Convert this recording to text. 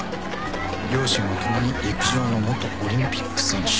両親は共に陸上の元オリンピック選手